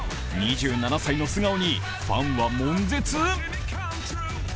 ２７歳の素顔にファンは悶絶。